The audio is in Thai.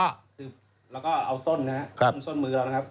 แล้วก็เอาส้นนะครับส้นมือเรานะครับ